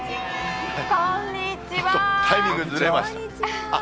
タイミングずれました。